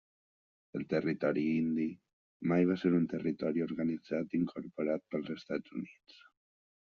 El Territori Indi mai va ser un territori organitzat incorporat pels Estats Units.